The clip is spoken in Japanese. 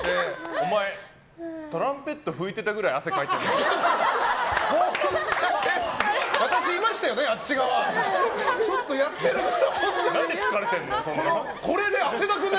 お前、トランペット吹いてたくらい汗かいてるな。